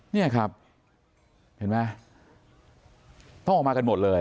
เนี่ยครับเห็นไหมต้องออกมากันหมดเลย